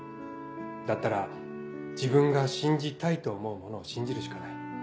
だったら自分が信じたいと思うものを信じるしかない。